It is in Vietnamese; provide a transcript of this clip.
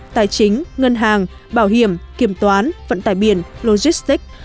tài chính ngân hàng bảo hiểm kiểm toán vận tải biển logistic